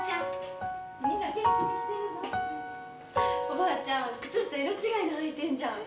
おばあちゃん、靴下色違いの履いてんじゃん！